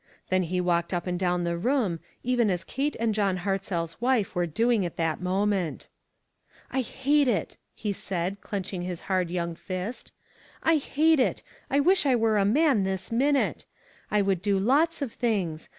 Then he walked up and down the room, even as Kate and John Hartzell's wife were doing at that moment. ." I hate it !" he said, clenching his hard "ONLY A QUESTION OF TIME." 465 young fist. "I hate it! I wish I were a man this minute. I would do lots of things.